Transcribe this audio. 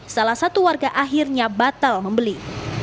salah satu warga akhirnya batal membeli